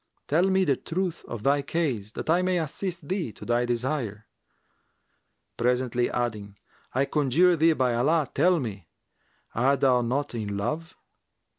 Tell me the truth of thy case, that I may assist thee to thy desire;' presently adding, 'I conjure thee by Allah, tell me, art thou not in love?'